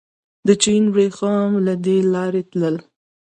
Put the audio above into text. د چین وریښم له دې لارې تلل